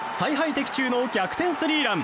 的中の逆転スリーラン！